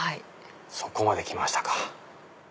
そこまで来ましたか！